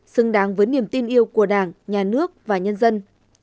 xứng đáng với niềm tin yêu của đảng nhà nước và nhân dân